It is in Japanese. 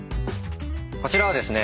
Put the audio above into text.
こちらはですね